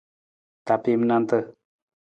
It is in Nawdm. Tapiim nanta.